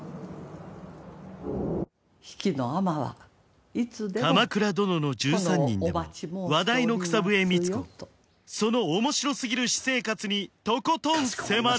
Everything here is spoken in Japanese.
比企尼は「鎌倉殿の１３人」でも話題の草笛光子その面白すぎる私生活にとことん迫る！